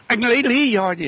anh lấy lý do gì